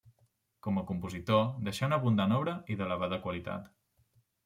Com a compositor, deixà una abundant obra i d'elevada qualitat.